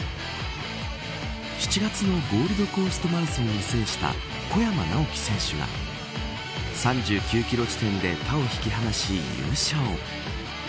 ７月のゴールドコーストマラソンを制した小山直城選手が３９キロ地点で他を引き離し優勝。